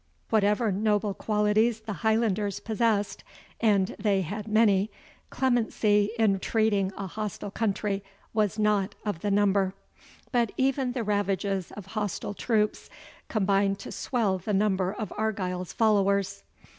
Whatever noble qualities the Highlanders possessed, and they had many, clemency in treating a hostile country was not of the number; but even the ravages of hostile troops combined to swell the number of Argyle's followers.